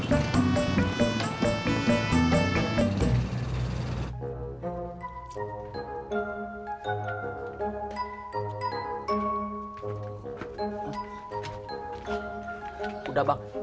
hai udah bang